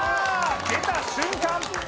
出た瞬間